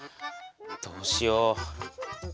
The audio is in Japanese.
どうしよう？